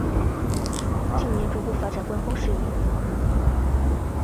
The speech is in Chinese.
近年逐步发展观光产业。